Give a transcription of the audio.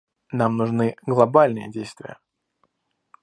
Нам нужны глобальные действия.